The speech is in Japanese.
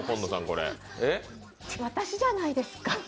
私じゃないですか？